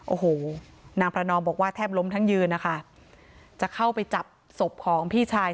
โอ้โหนางประนอมบอกว่าแทบล้มทั้งยืนนะคะจะเข้าไปจับศพของพี่ชาย